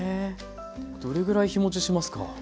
どれぐらい日持ちしますか？